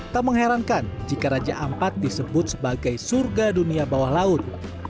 tak mengherankan jika raja ampat disebut sebagai surga dunia bawah laut